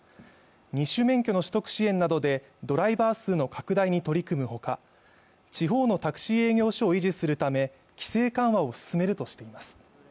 ２種免許の取得支援などでドライバー数の拡大に取り組むほか地方のタクシー営業所を維持するため規制緩和を進めるとしています